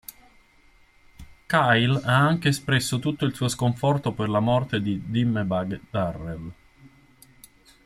Kyle ha anche espresso tutto il suo sconforto per la morte di Dimebag Darrell.